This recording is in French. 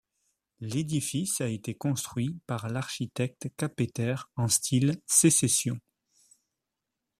L'édifice a été construit par l'architecte Kapeter en style sécession.